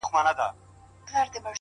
څومره له حباب سره ياري کوي؛